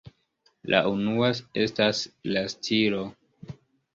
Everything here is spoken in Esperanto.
La unua estas la stilo.